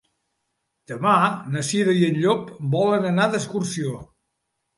Demà na Cira i en Llop volen anar d'excursió.